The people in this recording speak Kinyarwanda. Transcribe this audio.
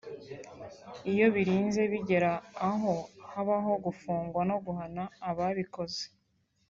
iyo birinze bigera aha habaho gufungwa no guhana ababikoze